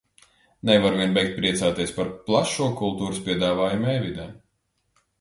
Nevaru vien beigt priecāties par plašo kultūras piedāvājumu e-vidē.